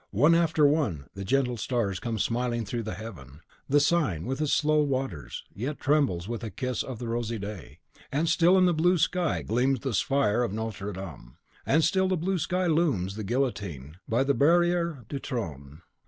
One after one, the gentle stars come smiling through the heaven. The Seine, in its slow waters, yet trembles with the last kiss of the rosy day; and still in the blue sky gleams the spire of Notre Dame; and still in the blue sky looms the guillotine by the Barriere du Trone.